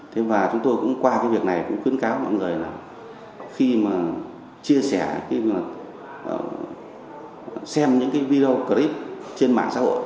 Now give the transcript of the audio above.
thế và chúng tôi cũng qua cái việc này cũng khuyến cáo mọi người là khi mà chia sẻ cái việc xem những cái video clip trên mạng xã hội